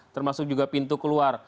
termasuk juga pintu keluar